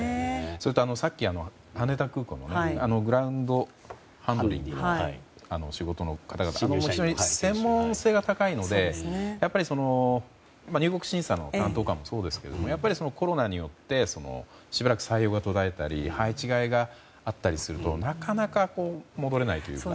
それと、さっき羽田空港のグランドハンドリングの仕事の方々、専門性が高いのでやっぱり入国審査の担当官もそうですけどやっぱりコロナによってしばらく採用が途絶えたり配置変えがあったりするとなかなか戻れないというか。